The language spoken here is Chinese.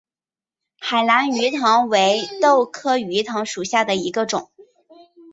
海南鱼藤为豆科鱼藤属下的一个种。